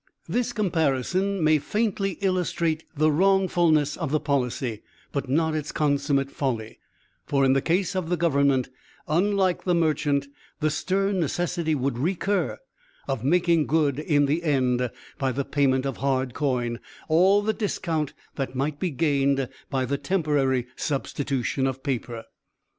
This comparison may faintly illustrate the wrongfulness of the policy, but not its consummate folly for in the case of the Government, unlike the merchant, the stern necessity would recur of making good in the end, by the payment of hard coin, all the discount that might be gained by the temporary substitution of paper.